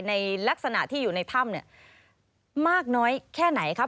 ในลักษณะที่อยู่ในถ้ำเนี่ยมากน้อยแค่ไหนครับ